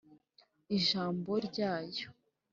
ijambo ryayo